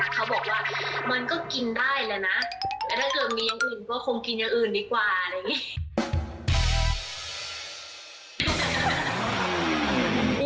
เขาบอกว่ามันก็กินได้แหละนะแต่ถ้าเกิดมีอย่างอื่นก็คงกินอย่างอื่นดีกว่าอะไรอย่างนี้